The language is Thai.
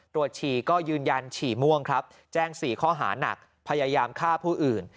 ฉี่ก็ยืนยันฉี่ม่วงครับแจ้ง๔ข้อหานักพยายามฆ่าผู้อื่น